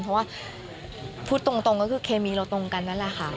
เพราะว่าพูดตรงก็คือเคมีเราตรงกันนั่นแหละค่ะ